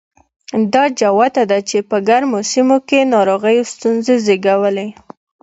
دا جوته ده چې په ګرمو سیمو کې ناروغیو ستونزې زېږولې.